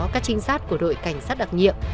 các trinh sát của đội cảnh sát đặc nhiệm